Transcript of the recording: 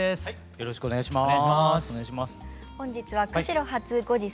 よろしくお願いします。